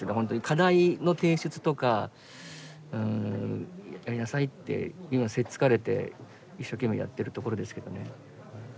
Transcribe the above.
課題の提出とかうんやりなさいって今せっつかれて一生懸命やってるところですけどね。